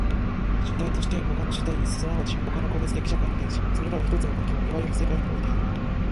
主体として他の主体即ち他の個別的社会に対し、それらは一つの環境、いわゆる世界においてある。